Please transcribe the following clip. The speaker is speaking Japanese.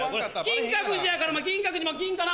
金閣寺やから銀閣寺も銀かな？